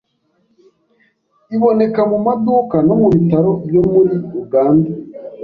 Iboneka mu maduka no mu bitaro byo muri Uganda